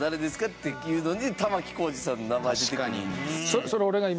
っていうのに玉置浩二さんの名前出てくるんですよ。